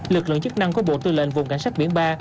lực lượng chức năng của bộ tư lệnh vùng cảnh sát biển ba